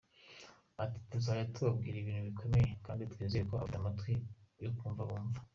Ati “Tuzajya tubabwira ibintu bikomeye kandi twizere ko abafite amatwi yo kumva bumva.